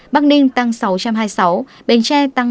bắc ninh tăng sáu trăm hai mươi sáu bến tre tăng sáu trăm hai mươi sáu